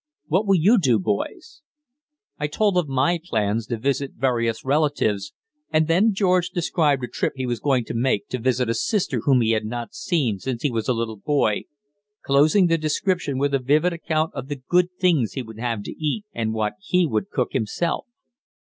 What will you do, boys?" I told of my plans to visit various relatives, and then George described a trip he was going to make to visit a sister whom he had not seen since he was a little boy, closing the description with a vivid account of the good things he would have to eat, and what he would cook himself.